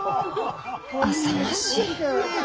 あさましい。